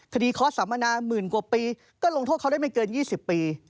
เคาะสัมมนาหมื่นกว่าปีก็ลงโทษเขาได้ไม่เกิน๒๐ปี